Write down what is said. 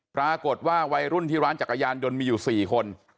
วัยรุ่นที่ร้านจักรยานยนต์มีอยู่๔คน